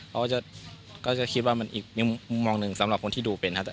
เขาก็จะคิดว่ามันอีกมุมมองหนึ่งสำหรับคนที่ดูเป็นครับ